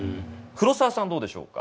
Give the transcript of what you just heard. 黒澤さんどうでしょうか。